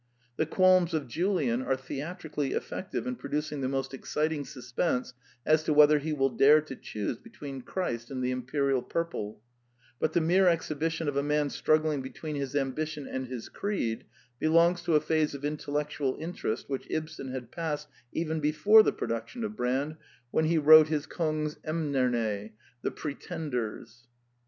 The qualms of Julian are theatrically effective in producing the most exciting suspense as to whether he will dare to choose between Christ and the imperial purple; but the mere exhibition of a man struggling between his ambition and his creed belongs to a phase of intellectual interest which Ibsen had passed even before the produc tion of Brand, when he wrote his Kongs Emnerne (The Pretenders).